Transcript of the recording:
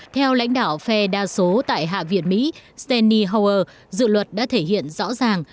theo lãnh đạo phe đa số tại hạ viện mỹ steny hua dự luật đã thể hiện rõ ràng